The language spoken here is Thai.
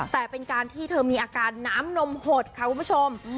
แต่เป็นการที่เธอมีอาการน้ำนมหดค่ะคุณผู้ชม